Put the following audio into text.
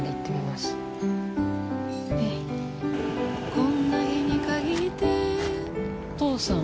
こんな日に限って、お父さん？